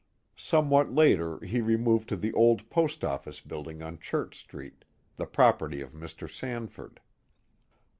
Somewhat later he removed to the old post office building on Church Street, the property of Mr. Sanford.